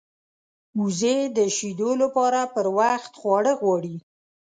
وزې د شیدو لپاره پر وخت خواړه غواړي